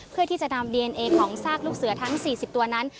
เพื่อที่จะนำดีเอนเอของซากลูกเสือทั้ง๔๐ตัวนั้น